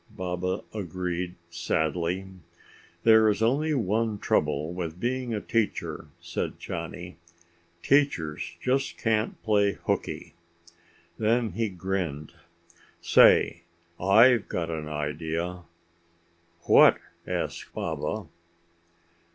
Baba agreed sadly. "There is only one trouble with being a teacher," said Johnny. "Teachers just can't play hookey." Then he grinned. "Say, I've got an idea!" "What?" asked Baba.